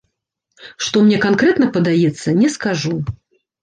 Што мне канкрэтна падаецца, не скажу.